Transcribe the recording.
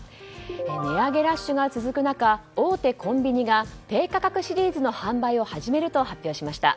値上げラッシュが続く中大手コンビニが低価格シリーズの販売を始めると発表しました。